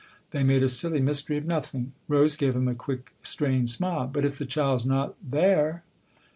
They made a silly mystery of nothing. Rose gave him a quick, strained smile. " But if the child's not there